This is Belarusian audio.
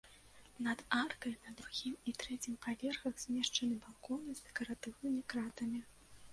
Над аркай на другім і трэцім паверхах змешчаны балконы з дэкаратыўнымі кратамі.